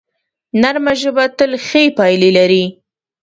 نرمه ژبه تل ښې پایلې لري